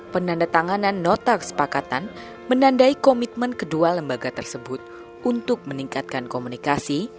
penandatanganan nota kesepakatan menandai komitmen kedua lembaga tersebut untuk meningkatkan komunikasi